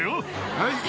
はい。